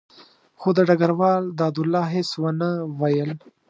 خو ډګروال دادالله هېڅ ونه ویل.